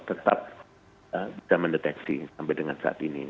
tetap bisa mendeteksi sampai dengan saat ini